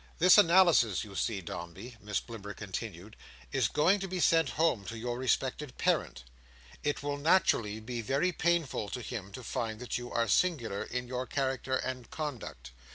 "This analysis, you see, Dombey," Miss Blimber continued, "is going to be sent home to your respected parent. It will naturally be very painful to him to find that you are singular in your character and conduct.